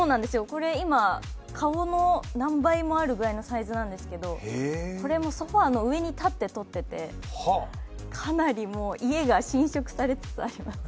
これ、今、顔の何倍もあるぐらいのサイズなんですけどこれもソファーの上に立って撮っててかなり、もう家が浸食されつつあります。